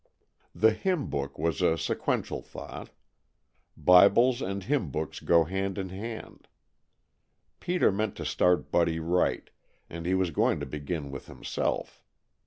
The "hymn book" was a sequential thought. Bibles and hymn books go hand in hand. Peter meant to start Buddy right, and he was going to begin with himself.